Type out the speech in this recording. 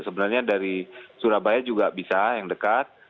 sebenarnya dari surabaya juga bisa yang dekat